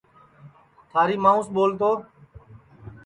تھاری مائوں ٻول تو